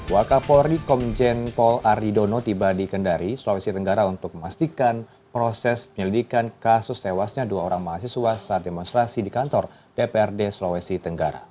wakapolri komjen paul aridono tiba di kendari sulawesi tenggara untuk memastikan proses penyelidikan kasus tewasnya dua orang mahasiswa saat demonstrasi di kantor dprd sulawesi tenggara